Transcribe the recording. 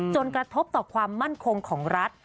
กระทบต่อความมั่นคงของรัฐ